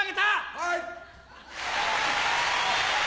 はい！